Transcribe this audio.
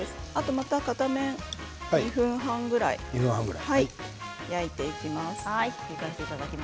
また片面２分半ぐらい焼いていきます。